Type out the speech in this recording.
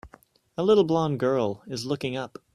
A little blond girl is looking up